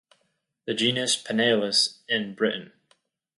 The Genus Panaeolus in Britain.